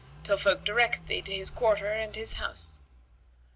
till folk direct thee to his quarter and his house."